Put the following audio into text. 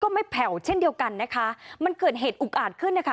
ไม่แผ่วเช่นเดียวกันนะคะมันเกิดเหตุอุกอาจขึ้นนะคะ